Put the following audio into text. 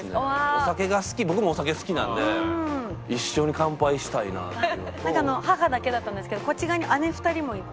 お酒が好き僕もお酒好きなんでなんか母だけだったんですけどこっち側に姉２人もいて。